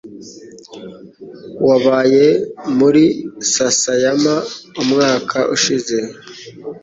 Wabaye muri Sasayama umwaka ushize?